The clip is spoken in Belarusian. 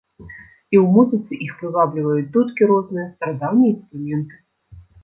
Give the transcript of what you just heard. І ў музыцы іх прывабліваюць дудкі розныя, старадаўнія інструменты.